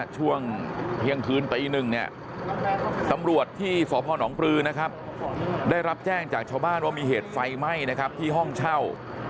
ช่วงเพียงคืนตีหนึ่งตำรวจที่สนปลื้อได้รับแจ้งจากชาวบ้านว่ามีเหตุไฟไหม้ที่ห้องเช่า